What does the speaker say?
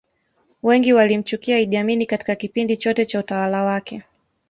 wengi walimchukia idd amin Katika kipindi chote cha utawala wake